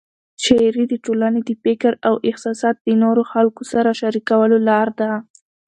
شاعري د ټولنې د فکر او احساسات د نورو خلکو سره شریکولو لار ده.